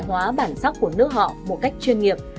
hóa bản sắc của nước họ một cách chuyên nghiệp